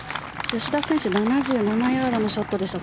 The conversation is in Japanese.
吉田選手７７ヤードのショットでした。